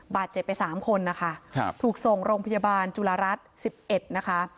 บาดเจ็บไป๓คนนะคะถูกส่งโรงพยาบาลจุฬารัฐ๑๑นะคะ